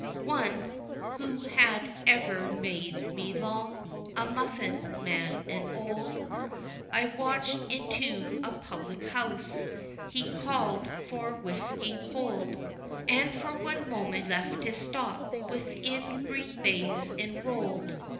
One, who had ever made me long a muffin man and old I watched into a public house, he called for whisky cold, And for one moment left his stock within green baize enrolled.